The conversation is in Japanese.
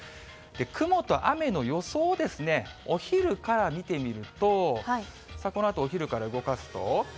雲と雨の予想を、お昼から見てみると、このあとお昼から動かすと。